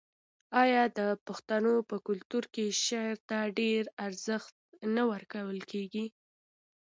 آیا د پښتنو په کلتور کې شعر ته ډیر ارزښت نه ورکول کیږي؟